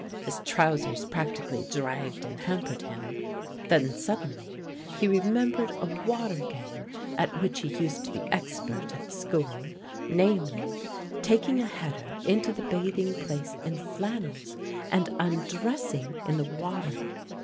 His trousers particularly dragged and hampered him; then suddenly he remembered a water game at which he used to be expert at school, namely taking a header into the bathing place in flannels and undressing in the water.